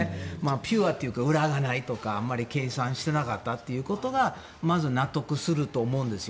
ピュアというか裏がないとかあまり計算していなかったということがまずは納得すると思うんです。